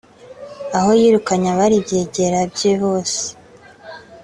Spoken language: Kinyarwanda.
aho yirukanye abari ibyegera bye bose